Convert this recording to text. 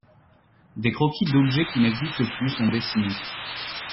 Des croquis d’objets qui n’existent plus sont dessinés.